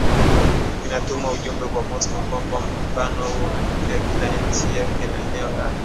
vinatuma ujumbe kwa Moscow kwamba muungano huo utatetea kila nchi ya eneo lake